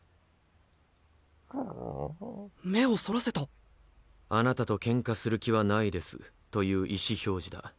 目をそらせた「あなたとケンカする気はないです」という意思表示だ。